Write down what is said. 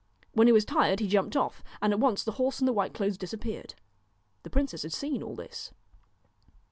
When he was tired he jumped off, and at once the horse and the white clothes disappeared. The princess had seen all this.